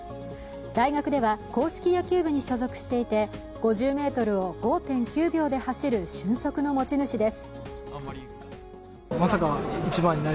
大学では硬式野球部に所属していて、５０ｍを５．９秒で走る俊足の持ち主です。